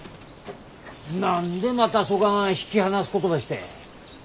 何でまたそがん引き離すことばして。